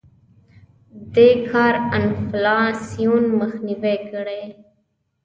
دې کار انفلاسیون مخنیوی کړی.